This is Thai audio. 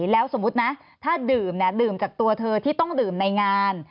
แล้วสมมุตินะถ้าดื่มเนี่ยดื่มจากตัวเธอที่ต้องดื่มในงาน